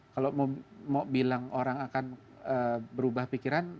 kalau mau bilang orang akan berubah pikiran